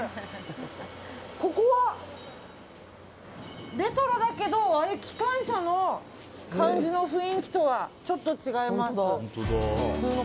ここはレトロだけど機関車の感じの雰囲気とはちょっと違います。